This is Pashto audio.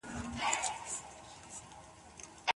مور یې په فیصل باندې په غوسه شوه.